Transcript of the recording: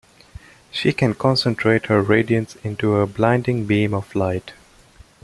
She can concentrate her radiance into a blinding beam of light.